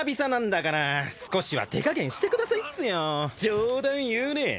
冗談言うねぇ。